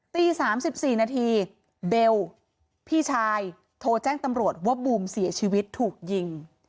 ตี๓๔นาทีเบลพี่ชายโทรแจ้งตำรวจว่าบูมเสียชีวิตถูกยิง